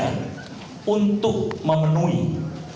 dan untuk memenuhi kualitas sdm di tubuh tni